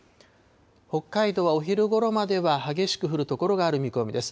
北海道はお昼ごろまでは激しく降る所がある見込みです。